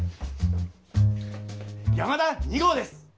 「山田２号」です！